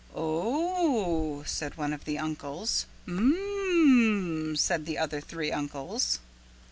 "O h h h," said one of the uncles. "Um m m m," said the other three uncles.